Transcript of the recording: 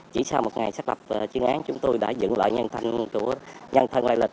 chỉ sau một ngày xác lập chuyên án chúng tôi đã dựng lại nhân thân loại lịch